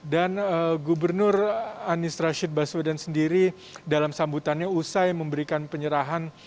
dan gubernur anies rashid baswedan sendiri dalam sambutannya usai memberikan penyerahan